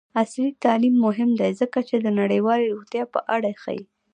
عصري تعلیم مهم دی ځکه چې د نړیوالې روغتیا په اړه ښيي.